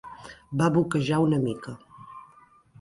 Va boquejar una mica.